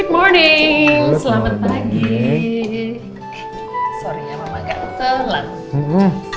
eh maaf ya mama nggak telat